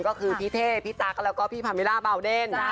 ก็คือพี่เท่พี่ตั๊กแล้วก็พี่พามิล่าบาวเดน